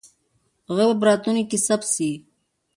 غږ به په راتلونکي کې ثبت سي.